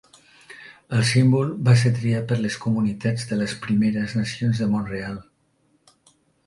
El símbol va ser triat per les comunitats de les Primeres Nacions de Mont-real.